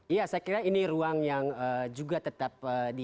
iya saya kira ini ruang yang juga tetap